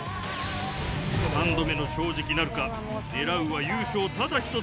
三度目の正直なるか、狙うは優勝ただ一つ。